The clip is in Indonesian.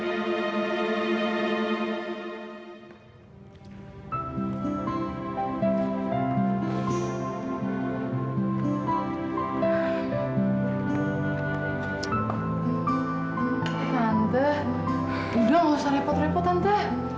tante udah gak usah repot repot tante